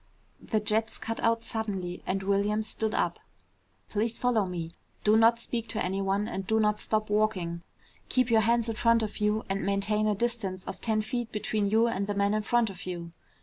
The jets cut out suddenly and Williams stood up. "Please follow me. Do not speak to anyone, and do not stop walking. Keep your hands in front of you and maintain a distance of ten feet between you and the man in front of you."